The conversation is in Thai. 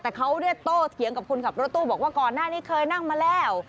แต่เขาได้โตเถียงกับคนขับรถตู้บอกว่าก่อนหน้านี้เคยนั่งมาแล้ว